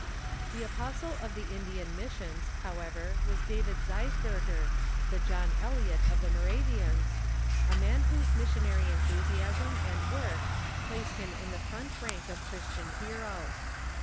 * The apostle of the Indian missions, however, was David Zeisberger, the John Eliot of the Moravians — a man whose . missionary enthusiasm and work place him in the front rank of Christian heroes.